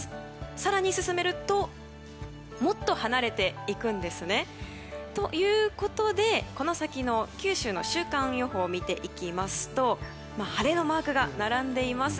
更に進めるともっと離れていくんですね。ということで、この先の九州の週間予報を見ますと晴れのマークが並んでいます。